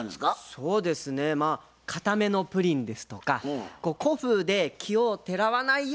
そうですねまあかためのプリンですとか古風で奇をてらわないようなお菓子が好きですね。